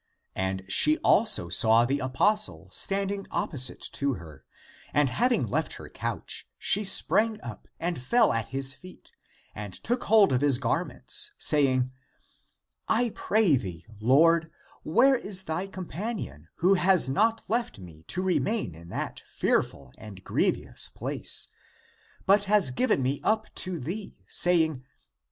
And she also saw the apostle standing opposite to her, and having left her couch, she sprang up and fell at his feet, and took hold of his garments, saying, " I pray thee, lord, where is thy companion who has not left me to remain in that fearful and grievous place, but has given me up to thee, saying.